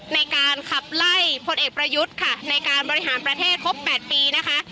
ในการขับไล่พลเอกประยุทธ์ค่ะในการบริหารประเทศครบ๘ปีนะคะ